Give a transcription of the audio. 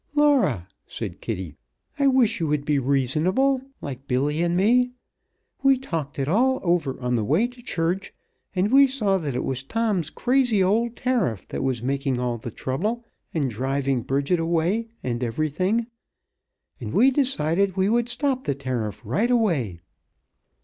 "Laura," said Kitty, "I wish you would be reasonable like Billy and me. We talked it all over on the way to church, and we saw that it was Tom's crazy old tariff that was making all the trouble and driving Bridget away and everything, and we decided we would stop the tariff right away."